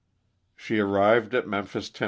She arrived at Memphis, Tenn.